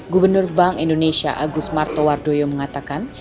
gubernur bank indonesia agus martowardoyo mengatakan